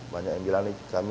banyak yang bilang nih